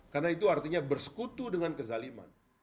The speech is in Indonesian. karena itu artinya bersekutu dengan kezaliman